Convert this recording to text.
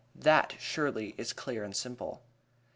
That, surely, is clear and simple.